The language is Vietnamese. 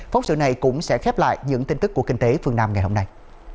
phóng sự này cũng sẽ khép lại những tin tức của kinh tế phương nam ngày hôm nay